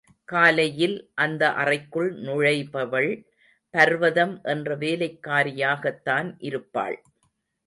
காலையில் அந்த அறைக்குள் நுழைபவள் பர்வதம் என்ற வேலைக்காரியாகத்தான் இருப்பாள்.